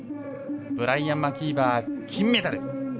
ブライアン・マキーバー金メダル。